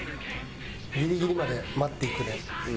ギリギリまで待っていくね。